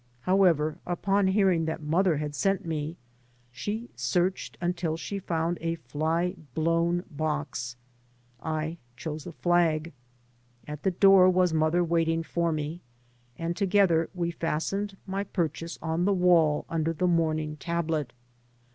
However, upon hearing that mother had sent me she searched until she found a fly blown box. I chose a flag. At the door was mother waiting for me, and together we fas tened my purchase on the wall under the mourning tablet.